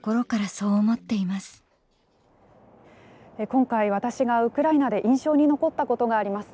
今回私がウクライナで印象に残ったことがあります。